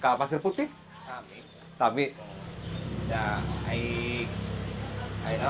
karena kita harus menjaga bencinya